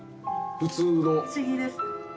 不思議です。